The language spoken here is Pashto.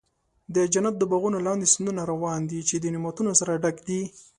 د جنت د باغونو لاندې سیندونه روان دي، چې د نعمتونو سره ډک دي.